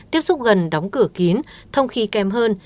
tiếp xúc gần đóng cửa kín thông khi kém hơn